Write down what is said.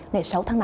ngày sáu tháng năm